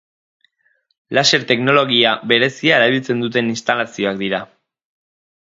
Laser teknologia berezia erabiltzen duten instalazioak dira.